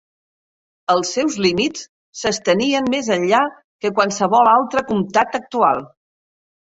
Els seus límits s"estenien més enllà que qualsevol altre comtat actual.